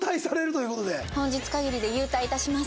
本日限りで勇退いたします。